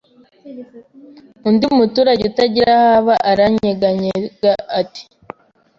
Undi muturage utagira aho aba aranyeganyega ati,